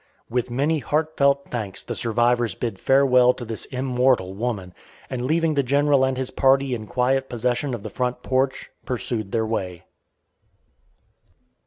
With many heartfelt thanks the survivors bid farewell to this immortal woman, and leaving the General and his party in quiet possession of the front porch, pursued their way.